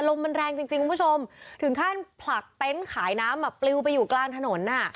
ลมมันแรงจริงคุณผู้ชมถึงท่านผลักเตนท์ขายน้ำเปลิ้วไปอยู่กลางถนน